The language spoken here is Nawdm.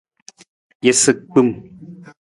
Isagbim.